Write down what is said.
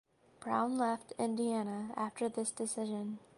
Brown left Indiana after this decision.